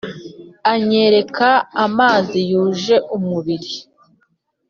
anyereka imanzi zuje umubiri,